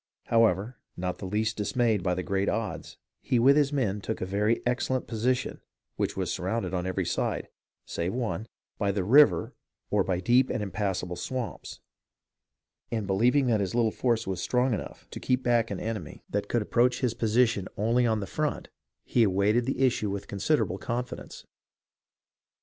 However, not in the least dis mayed by the great odds, he with his men took a very excellent position which was surrounded on every side, save one, by the river or by deep and impassable swamps ; and believing that his little force was strong enough to keep 320 HISTORY OF THE AMERICAN REVOLUTION back an enemy that could approach his position only on the front, he awaited the issue with considerable confidence.